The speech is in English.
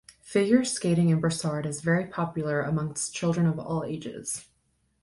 Figure skating in Brossard is very popular amongst children of all ages.